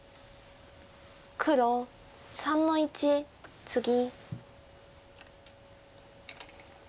黒３の一ツギ。